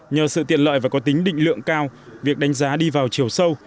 nhờ sự tiện lợi và có tính định lượng cao việc đánh giá đi vào chiều sâu